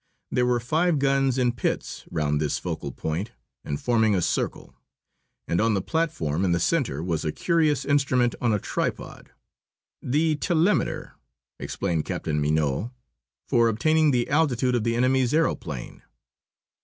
There were five guns in pits round this focal point and forming a circle. And on the platform in the centre was a curious instrument on a tripod. "The telemeter," explained Captain Mignot; "for obtaining the altitude of the enemy's aëroplane."